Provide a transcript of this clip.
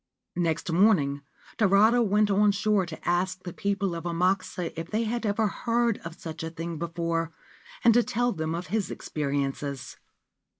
Next morning Tarada went on shore to ask the people of Amakusa if they had ever heard of such a thing before, and to tell them of his experiences.